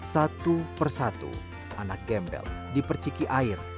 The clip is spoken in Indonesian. satu persatu anak gembel diperciki air